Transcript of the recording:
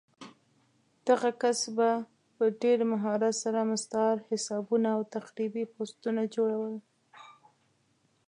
دغه کس به په ډېر مهارت سره مستعار حسابونه او تخریبي پوسټونه جوړول